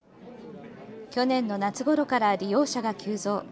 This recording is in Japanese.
去年の夏ごろから利用者が急増。